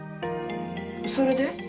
それで？